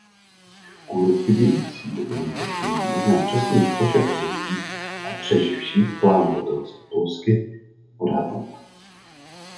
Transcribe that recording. Kvůli chybějící dokumentaci není možné přesný počet obětí a přeživších plánu Hotel Polski odhadnout.